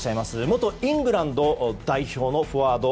元イングランド代表のフォワード